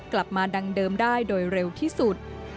กลับมาดังเดิมได้โดยเร็วที่สุด